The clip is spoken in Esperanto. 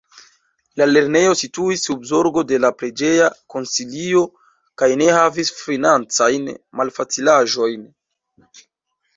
La lernejo situis sub zorgo de la preĝeja konsilio kaj ne havis financajn malfacilaĵojn.